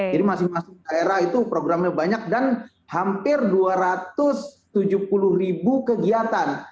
jadi masing masing daerah itu programnya banyak dan hampir dua ratus tujuh puluh ribu kegiatan